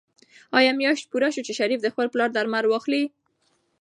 آیا میاشت پوره شوه چې شریف د خپل پلار درمل واخلي؟